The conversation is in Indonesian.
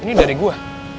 ini dari gue